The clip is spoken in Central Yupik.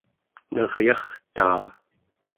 naryartaa